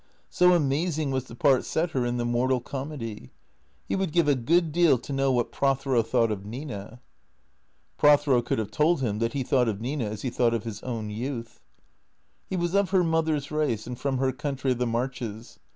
So amazing was the part set her in the mortal comedy. He would give a good deal to know what Prothero thought of Nina. Prothero could have told him that he thought of Nina as he thought of his own youth. He was of her mother's race and from her country of the Marches.